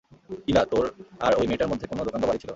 ইলা, তোর আর ওই মেয়েটার মধ্যে কোনো দোকান বা বাড়ি ছিল?